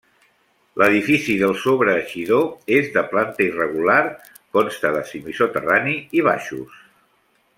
L'edifici del sobreeixidor és de planta irregular, consta de semisoterrani i baixos.